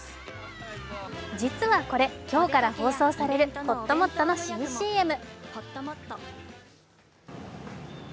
実はこれ、今日から放送されるほっともっとの新ＣＭ。